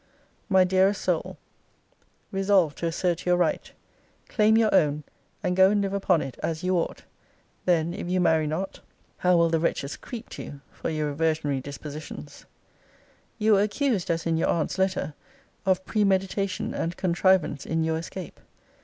My dearest soul, resolve to assert your right. Claim your own, and go and live upon it, as you ought. Then, if you marry not, how will the wretches creep to you for your reversionary dispositions! You were accused (as in your aunt's letter) 'of premeditation and contrivance in your escape.'